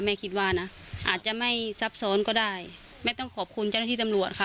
คิดว่านะอาจจะไม่ซับซ้อนก็ได้แม่ต้องขอบคุณเจ้าหน้าที่ตำรวจค่ะ